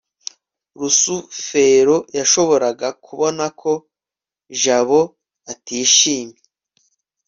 rusufero yashoboraga kubona ko jabo atishimye